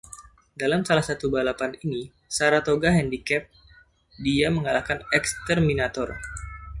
Dalam salah satu balapan ini, Saratoga Handicap, dia mengalahkan Exterminator.